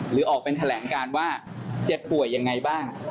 หรือออกเป็นแถลงการว่าเจ็บป่วยยังไงบ้าง